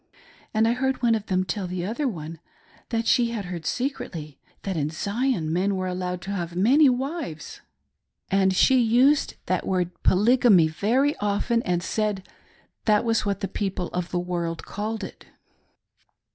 And I heard one of them tell the other that she had heard secretly that in Zion men were allowed to have many wives, and she 98 , "SHE WAS NOT CONVINCED." used that word "Polygamy" very ofteii, and said that was what the people of the world called it."